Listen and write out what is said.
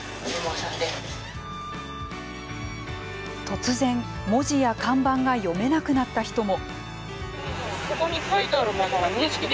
突然、文字や看板が読めなくなった人も。